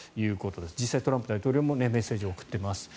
実際トランプ大統領もメッセージを送っています。